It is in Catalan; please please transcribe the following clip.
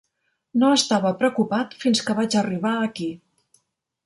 No estava preocupat fins que vaig arribar aquí.